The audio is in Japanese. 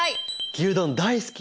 牛丼大好き！